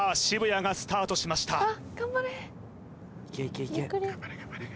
渋谷がスタートしました